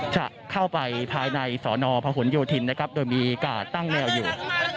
จะเข้าไปภายในศภโยธินตร์โดยมีการตั้งแนว